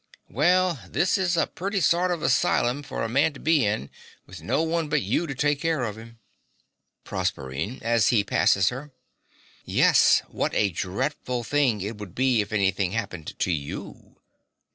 Well, this is a pretty sort of asylum for a man to be in, with no one but you to take care of him! PROSERPINE (as he passes her). Yes, what a dreadful thing it would be if anything happened to YOU!